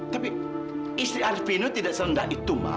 tapi istri arvindu tidak sendah itu ma